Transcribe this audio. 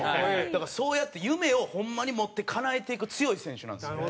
だからそうやって夢をホンマに持ってかなえていく強い選手なんですよね。